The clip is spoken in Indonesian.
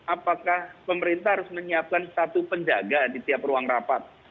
apakah pemerintah harus menyiapkan satu penjaga di tiap ruang rapat